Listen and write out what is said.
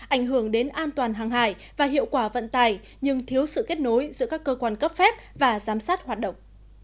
ảnh hưởng đến an toàn hàng hải và hiệu quả vận tải nhưng thiếu sự kết nối giữa các cơ quan cấp phép và giám sát hoạt động